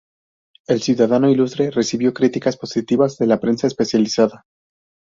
El ciudadano ilustre recibió críticas positivas de la prensa especializada.